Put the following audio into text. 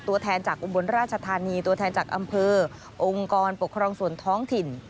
ตัวแทนจากอุบลราชธานีตัวแทนจากอำเภอองค์กรปกครองส่วนท้องถิ่น